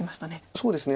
そうですね。